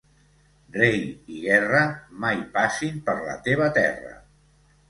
Rei i guerra, mai passin per la teva terra.